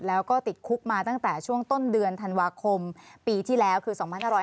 แล้วก็ติดคุกมาตั้งแต่ช่วงต้นเดือนธันวาคมปีที่แล้วคือ๒๕๕๙